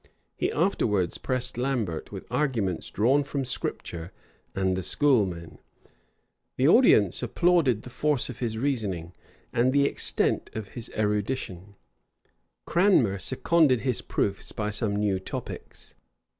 He afterwards pressed Lambert with arguments drawn from Scripture and the schoolmen: the audience applauded the force of his reasoning, and the extent of his erudition: Cranmer seconded his proofs by some new topics.